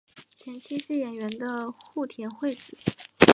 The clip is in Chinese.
前妻是演员的户田惠子。